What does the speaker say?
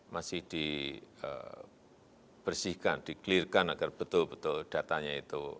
masih dibersihkan di clear kan agar betul betul datanya itu